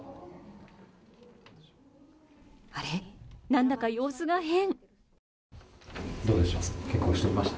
あれ、何だか様子が変。